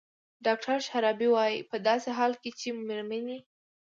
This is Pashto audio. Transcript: ډاکتر شرابي وايي په داسې حال کې چې مېرمنې